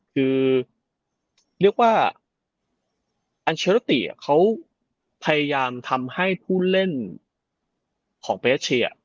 คือเรียกว่าอัลเชอร์ติเขาพยายามทำให้ผู้เล่นของเปเชีย